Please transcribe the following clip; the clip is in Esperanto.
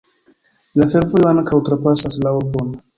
La fervojo ankaŭ trapasas la urbon.